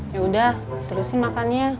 ya udah terusin makannya